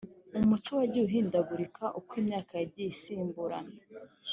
umuco wagiye uhindagurika uko imyaka yagiye isimburana